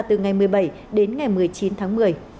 tòa diễn ra từ ngày một mươi bảy đến ngày một mươi chín tháng một mươi